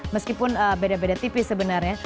meskipun beda beda tipis sebenarnya